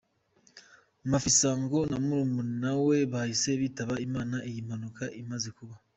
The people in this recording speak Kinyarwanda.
Mafisango na murumuna we bahise bitaba Imana iyi mpanuka imaze kuba.